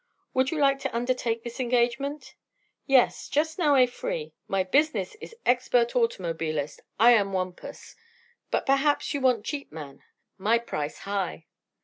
Would you like to undertake this engagement?" "Yes. Just now I free. My business is expert automobilist. I am Wampus. But perhaps you want cheap man. My price high."